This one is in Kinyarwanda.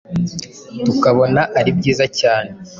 tukabona ari byiza. cyane